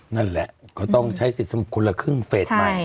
นั่นแหละเค้าต้องใช้สิทธิ์สมุทรละครึ่งเฟสใหม่